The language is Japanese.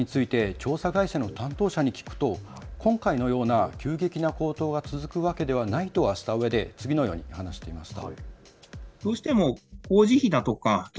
気になる今後について調査会社の担当者に聞くと今回のような急激な高騰が続くわけではないとはしたうえで次のように話していました。